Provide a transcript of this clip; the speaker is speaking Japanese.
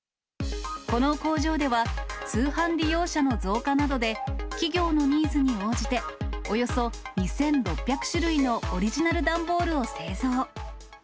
この工場では、通販利用者の増加などで、企業のニーズに応じて、およそ２６００種類のオリジナル段ボールを製造。